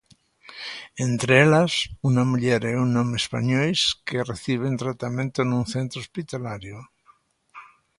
Entre elas, unha muller e un home españois que reciben tratamento nun centro hospitalario.